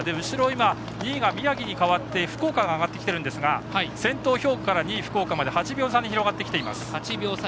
後ろ、今、２位が宮城に変わって福岡が上がってきてるんですが先頭、兵庫から２位、福岡まで８秒差に広がってきています。